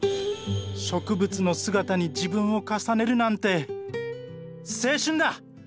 植物の姿に自分を重ねるなんて青春だ！